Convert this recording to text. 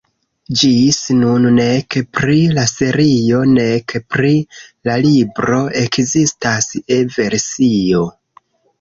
Ĝis nun nek pri la serio nek pri la libro ekzistas E-versio.